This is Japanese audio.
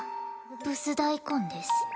ブス大根です